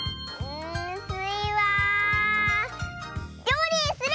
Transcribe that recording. んスイはりょうりにする！